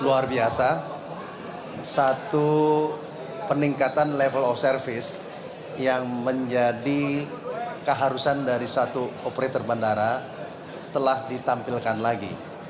luar biasa satu peningkatan level of service yang menjadi keharusan dari satu operator bandara telah ditampilkan lagi